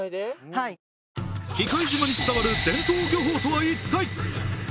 はい喜界島に伝わる伝統漁法とは一体？